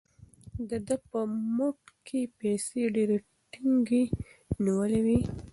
ده په موټ کې پیسې ډېرې ټینګې نیولې وې.